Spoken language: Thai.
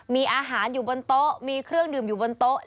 มีอาหารอยู่บนโต๊ะมีเครื่องดื่มอยู่บนโต๊ะ